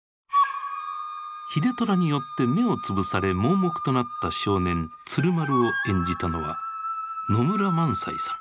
秀虎によって目を潰され盲目となった少年鶴丸を演じたのは野村萬斎さん。